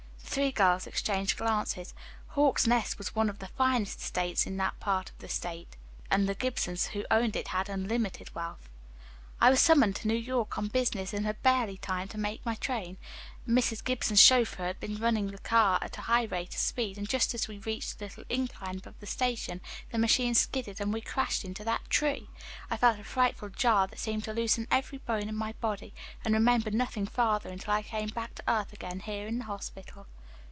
The three girls exchanged glances. "Hawk's Nest" was one of the finest estates in that part of the state, and the Gibsons who owned it had unlimited wealth. "I was summoned to New York on business and had barely time to make my train. Mrs. Gibson's chauffeur had been running the car at a high rate of speed, and just as we reached the little incline above the station, the machine skidded, and we crashed into that tree. I felt a frightful jar that seemed to loosen every bone in my body, and remembered nothing further until I came back to earth again, here in the hospital."